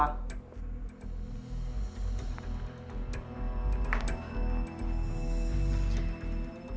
ได้แล้วครับ